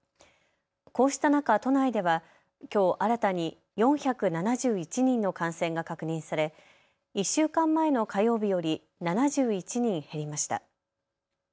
こうした中、都内ではきょう新たに４７１人の感染が確認され１週間前の火曜日より７１人減りました。